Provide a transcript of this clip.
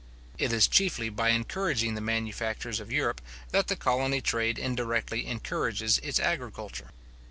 It is chiefly by encouraging the manufactures of Europe, that the colony trade indirectly encourages its agriculture.